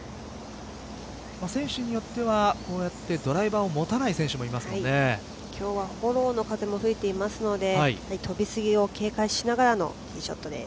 選手によってはドライバーを持たない選手も今日はフォローの風も吹いていますので飛びすぎを警戒しながらのティーショットです。